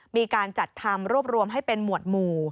มีการจัดทำรวบรวมให้เป็นหมวดหมู่